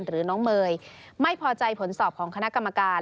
หรือน้องเมย์ไม่พอใจผลสอบของคณะกรรมการ